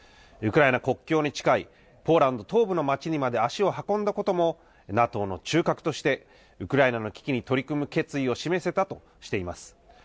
ウクライナ国境に近いポーランド東部の街にまで足を運んだことも、ＮＡＴＯの中核として、ウクライナの危機に取り組む決意を示せたとしています。